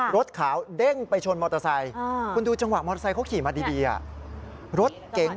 รถขาวเด้งไปชนมอเตอร์ไซค์